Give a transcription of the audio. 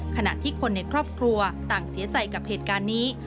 ขณะที่คนในครอบครัวต่างเสียใจกับเหตุการณ์นี้